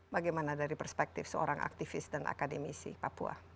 bagaimana dari perspektif seorang aktivis dan akademisi papua